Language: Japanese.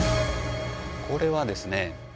これはですね